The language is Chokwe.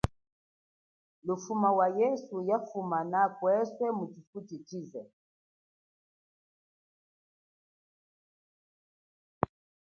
Lufuma wa yesu yafumana kweswe muchifuchichize.